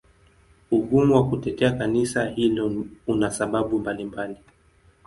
Ugumu wa kutetea Kanisa hilo una sababu mbalimbali.